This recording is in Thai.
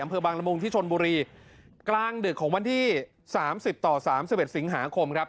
อำเภอบางละมุงที่ชนบุรีกลางดึกของวันที่๓๐ต่อ๓๑สิงหาคมครับ